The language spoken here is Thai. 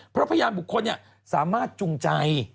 เพราะพยานบุคคลสามารถจุงใจ